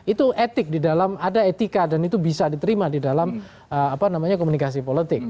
itu etik di dalam ada etika dan itu bisa diterima di dalam komunikasi politik